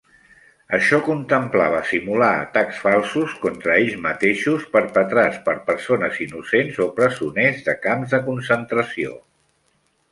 Això contemplava simular atacs falsos contra ells mateixos, perpetrats per persones innocents o presoners de camps de concentració.